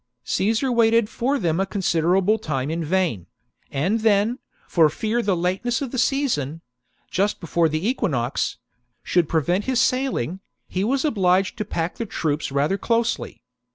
Caesar waited for them a considerable time in vain ; and then, for fear the lateness of the season (just before the equinox) should prevent his sailing, he was obliged to pack the troops rather closely.